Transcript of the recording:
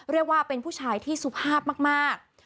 เรียกว่าเป็นผู้ชายที่สุภาพมาก